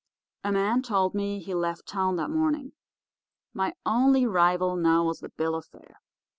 A man told me he left town that morning. My only rival now was the bill of fare.